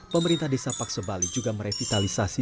pemerintah desa paksebali juga merevitalisasi